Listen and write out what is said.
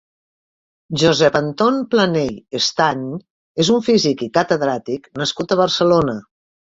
Josep Anton Planell Estany és un físic i catedràtic nascut a Barcelona.